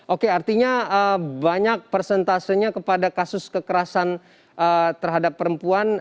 oke artinya banyak persentasenya kepada kasus kekerasan terhadap perempuan